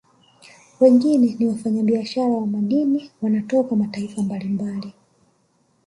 Wengine ni wafanya biashara wa madini wanatoka mataifa mbalimbali